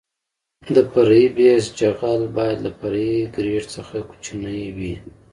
د فرعي بیس جغل باید له فرعي ګریډ څخه کوچنی وي